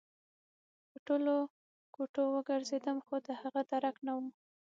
په ټولو کوټو وګرځېدم خو د هغه درک نه و